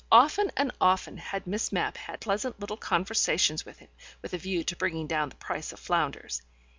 Often and often had Miss Mapp had pleasant little conversations with him, with a view to bringing down the price of flounders.